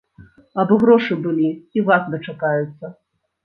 Абы грошы былі, і вас дачакаюцца.